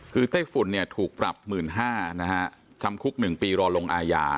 คือไต้ฝุ่นเนี่ยถูกปรับ๑๕๐๐นะฮะจำคุก๑ปีรอลงอาญา